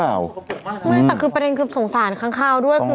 แต่ประเด็นคือสงสารคลั้งคราวด้วย